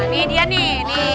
nah ini dia nih